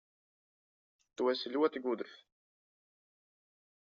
Tu esi ļoti gudrs.